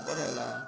có thể là